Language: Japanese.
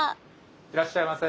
いらっしゃいませ。